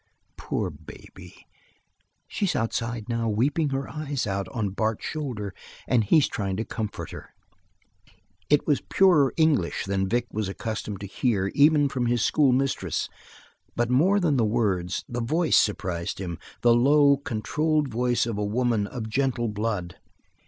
"Poor baby! She's outside, now, weeping her eyes out on Bart's shoulder and he's trying to comfort her." It was purer English than Vic was accustomed to hear even from his schoolmistress, but more than the words, the voice surprised him, the low, controlled voice of a woman of gentle blood.